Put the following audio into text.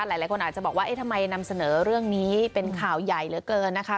หลายคนอาจจะบอกว่าเอ๊ะทำไมนำเสนอเรื่องนี้เป็นข่าวใหญ่เหลือเกินนะคะ